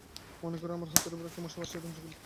মনে কর, আমার হাতের উপর একটি মশা আসিয়া দংশন করিল।